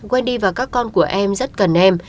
wendy và các con của em rất cần em